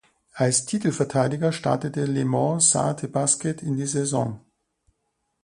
Als Titelverteidiger startete Le Mans Sarthe Basket in die Saison.